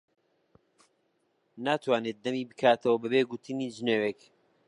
ناتوانێت دەمی بکاتەوە بەبێ گوتنی جنێوێک.